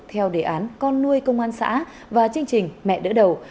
theo đề án con nuôi công an xã và chương trình mẹ đỡ đầu